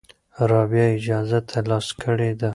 رابعه اجازه ترلاسه کړې ده.